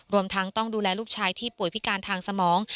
รวมทั้งต้องดูแลลูกชายที่ป่วยพิการทางสมอง